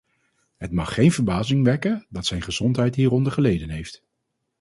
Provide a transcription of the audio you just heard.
Het mag geen verbazing wekken dat zijn gezondheid hieronder geleden heeft.